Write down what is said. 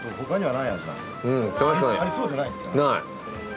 ない。